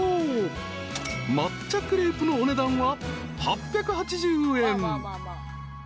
［抹茶クレープのお値段は］